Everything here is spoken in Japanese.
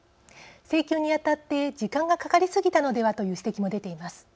請求に当たって時間がかかり過ぎたのではという指摘も出ています。